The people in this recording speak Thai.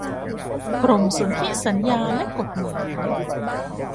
กรมสนธิสัญญาและกฎหมาย